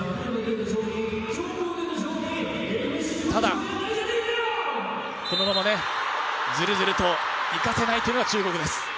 ただ、このまま、ずるずるといかせないというのが中国です。